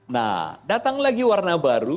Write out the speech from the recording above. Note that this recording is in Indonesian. nah datang lagi warna baru